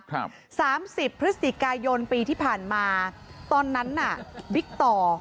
สามสิบพฤศจิกายนปีที่ผ่านมาตอนนั้นน่ะบิ๊กต่อ